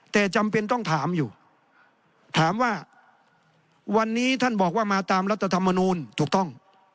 แต่จำเป็นต้องถามอยู่ถามว่าวันนี้ท่านบอกว่ามาตามรัฐธรรมนูลถูกต้อง